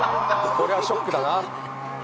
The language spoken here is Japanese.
これはショックだな